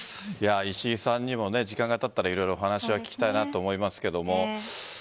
石井さんにも時間がたったら、色々お話を聞きたいなと思いますが。